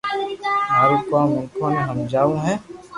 مارو ڪوم مينکو ني ھمجاو ھي